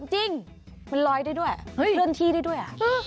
จริงมันลอยได้ด้วยเคลื่อนที่ได้ด้วย